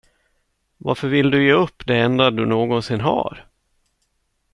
Varför vill du ge upp det enda du någonsin har?